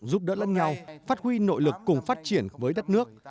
giúp đỡ lẫn nhau phát huy nội lực cùng phát triển với đất nước